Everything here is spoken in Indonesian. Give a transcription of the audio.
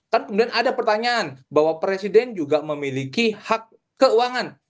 kan kemudian ada pertanyaan bahwa presiden juga memiliki hak keuangan